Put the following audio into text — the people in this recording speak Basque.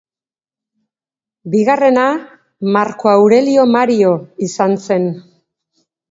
Bigarrena, Marko Aurelio Mario izan zen.